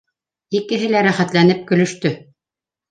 Икеһе лә рәхәтләнеп көлөштө